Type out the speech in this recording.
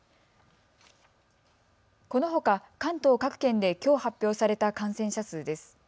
このほか関東各県できょう発表された感染者数です。